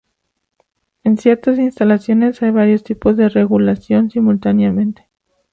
En ciertas instalaciones hay varios tipos de regulación simultáneamente.